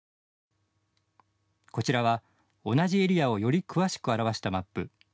こちらは、同じエリアをより詳しく表したマップ。